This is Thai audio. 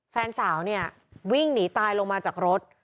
แฟนสาวเนี่ยวิ่งหนีตายลงมาจากรถ